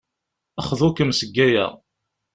Xḍu-kem seg aya.